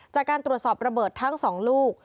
จากการตรวจสอบระเบิดทั้ง๒ลูก